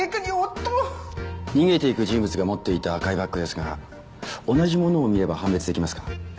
逃げていく人物が持っていた赤いバッグですが同じものを見れば判別出来ますか？